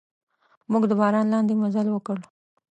موږ د باران لاندې مزل وکړ.